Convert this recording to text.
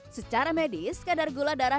secara medis kadar gula darah